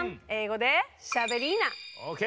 ＯＫ